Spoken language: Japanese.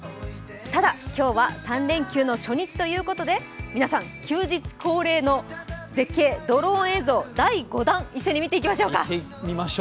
ただ、今日は３連休の初日ということで皆さん休日恒例の絶景、ドローン映像第５弾、一緒に見てみましょう！